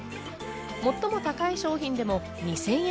最も高い商品でも２０００円。